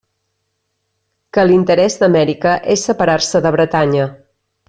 Que l'interès d'Amèrica és separar-se de Bretanya.